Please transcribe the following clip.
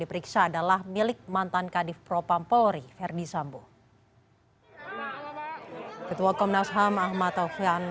diperiksa adalah milik mantan kadif pro pampori ferdis sambu ketua komnas ham ahmad taufihan